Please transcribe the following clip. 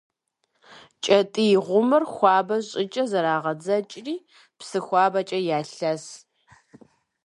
КӀэтӀий гъумыр хуабэ щӀыкӀэ зэрагъэдзэкӀри, псы хуабэкӀэ ялъэс.